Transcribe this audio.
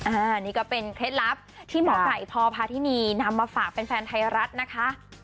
อันนี้ก็เป็นเคล็ดลับที่หมอไก่พอพาทินีนำมาฝากแฟนไทยรัฐนะคะ